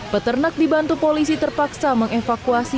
peternak dibantu polisi terpaksa mengevakuasi